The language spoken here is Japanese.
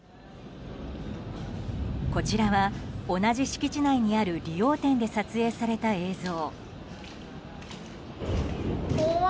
こちらは同じ敷地内にある理容店で撮影された映像。